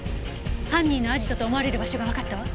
犯人のアジトと思われる場所がわかったわ。